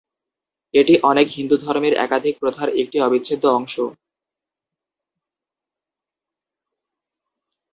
এটি অনেক হিন্দুধর্মের একাধিক প্রথার একটি অবিচ্ছেদ্য অংশ।